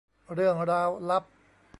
เรื่องราวลับ